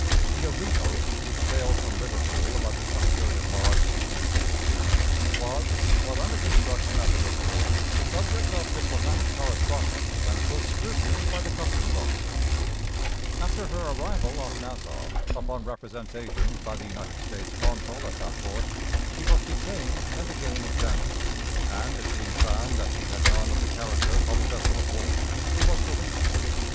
The Oreto, which sailed from Liverpool about the 23d of March, 1862, was, while under construction at Liverpool, the subject of diplomatic correspondence and close scrutiny by the customs officers. After her arrival off Nassau, upon representations by the United States consul at that port, she was detained and again examined, and, it being found that she had none of the character of a vessel of war, she was released.